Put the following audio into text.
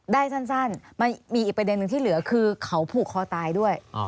ได้สั้นมันมีอีกประเด็นหนึ่งที่เหลือคือเขาผูกคอตายด้วย